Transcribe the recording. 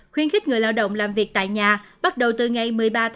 khuyên khích người lao động làm việc tại nhà bắt đầu từ ngày một mươi ba một mươi hai